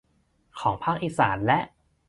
ของภาคอิสานและ